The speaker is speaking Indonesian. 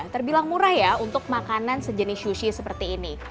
terbilang murah ya untuk makanan sejenis sushi seperti ini